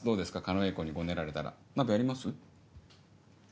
狩野英孝にゴネられたら鍋やります？